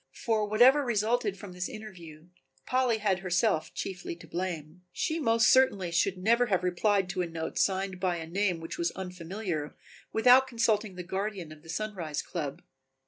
For whatever resulted from this interview Polly had herself chiefly to blame. She most certainly should never have replied to a note signed by a name which was unfamiliar without consulting the guardian of the Sunrise club.